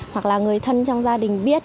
hoặc là người thân trong gia đình biết